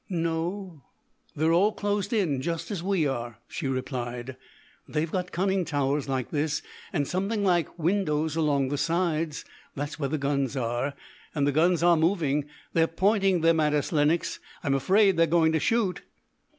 "No, they're all closed in just as we are," she replied; "but they've got conning towers like this, and something like windows along the sides. That's where the guns are, and the guns are moving. They're pointing them at us. Lenox, I'm afraid they're going to shoot."